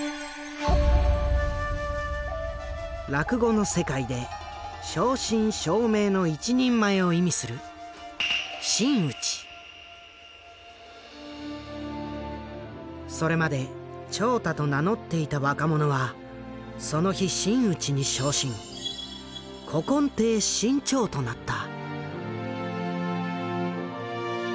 落語の世界で正真正銘の一人前を意味するそれまで「朝太」と名乗っていた若者はその日真打ちに昇進「古今亭志ん朝」となった。